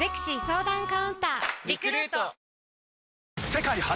世界初！